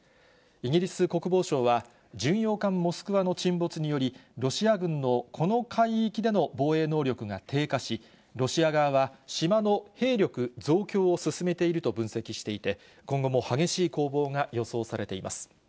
イギリス国防省は、巡洋艦モスクワの沈没により、ロシア軍のこの海域での防衛能力が低下し、ロシア側は、島の兵力増強を進めていると分析していて、今後も激しい攻防が予想されています。